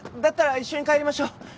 だったら一緒に帰りましょう。